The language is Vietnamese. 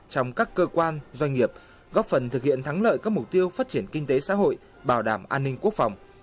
trong các cơ quan doanh nghiệp góp phần thực hiện thắng lợi các mục tiêu phát triển kinh tế xã hội bảo đảm an ninh quốc phòng